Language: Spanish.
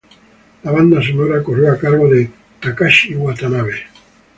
La banda sonora corrió a cargo de Takashi Watanabe.